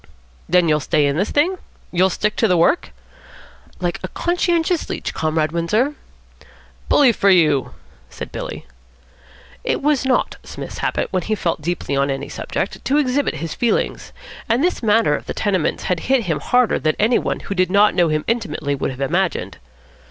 "Then you'll stay in this thing? You'll stick to the work?" "Like a conscientious leech, Comrade Windsor." "Bully for you," said Billy. It was not Psmith's habit, when he felt deeply on any subject, to exhibit his feelings; and this matter of the tenements had hit him harder than any one who did not know him intimately would have imagined.